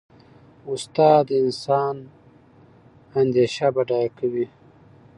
استاد د انسان اندیشه بډایه کوي.